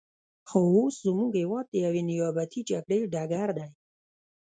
خو اوس زموږ هېواد د یوې نیابتي جګړې ډګر دی.